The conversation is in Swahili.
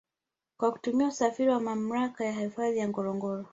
Kwa kutumia usafiri wa mamlaka ya hifadhi ya ngorongoro